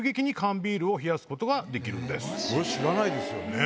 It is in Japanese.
これ知らないですよね。